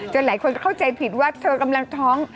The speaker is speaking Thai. หลายคนเข้าใจผิดว่าเธอกำลังท้อง